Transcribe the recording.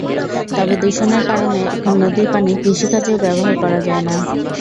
তবে দূষণের কারণে এখন নদীর পানি কৃষিকাজেও ব্যবহার করা যায় না।